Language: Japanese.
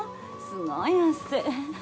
すごい汗。